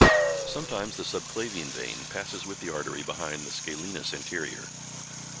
Sometimes the subclavian vein passes with the artery behind the Scalenus anterior.